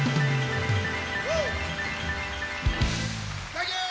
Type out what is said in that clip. サンキュー！